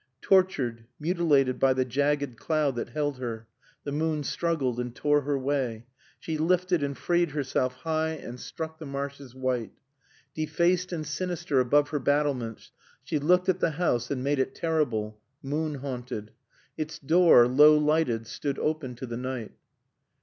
Tortured, mutilated by the jagged cloud that held her, the moon struggled and tore her way, she lifted and freed herself high and struck the marshes white. Defaced and sinister, above her battlements, she looked at the house and made it terrible, moon haunted. Its door, low lighted, stood open to the night.